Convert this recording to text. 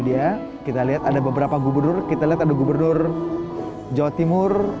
dia kita lihat ada beberapa gubernur kita lihat ada gubernur jawa timur